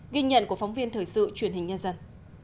ghi nhận của phóng viên thời sự truyền hình nhân dân